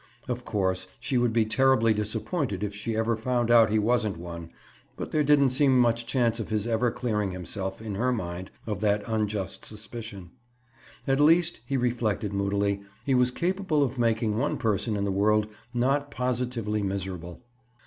Of course, she would be terribly disappointed if she ever found out he wasn't one, but there didn't seem much chance of his ever clearing himself, in her mind, of that unjust suspicion. At least, he reflected moodily, he was capable of making one person in the world not positively miserable.